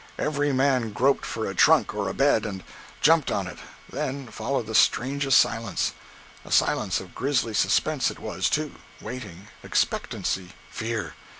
Every man groped for a trunk or a bed, and jumped on it. Then followed the strangest silence—a silence of grisly suspense it was, too—waiting, expectancy, fear.